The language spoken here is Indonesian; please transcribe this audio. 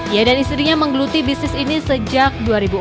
ia dan istrinya menggeluti bisnis ini sejak dua ribu empat